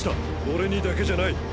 俺にだけじゃない。